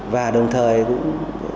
và đồng thời cũng